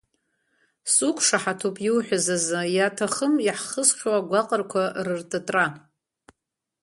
Суқәшаҳаҭуп иуҳәаз азы иаҭахым иаҳхысхьоу агәаҟрақәа рыртытра.